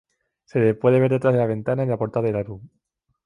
Se le puede ver detrás de la ventana en la portada del álbum.